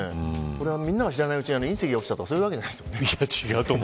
これ、みんなが知らないうちに隕石が落ちたというわけではないですよね。